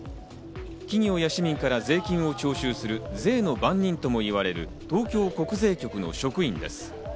企業や市民から税金を徴収する税の番人ともいわれる東京国税局の職員です。